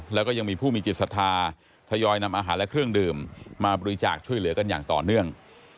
แล้วก็ยังมีผู้มีจิตศรัทธาทยอยนำอาหารและเครื่องดื่มมาบริจาคช่วยเหลือกันอย่างต่อเนื่อง